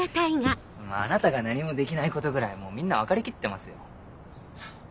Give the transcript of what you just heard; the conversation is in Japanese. あなたが何もできないことぐらいもうみんな分かりきってますよ。